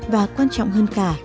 và quan trọng hơn cả